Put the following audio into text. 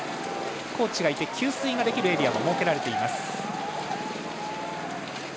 コーチがいて、給水できるエリアも設けられています。